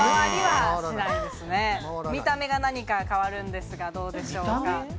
見た目が何か変わるんですが、どうでしょうか。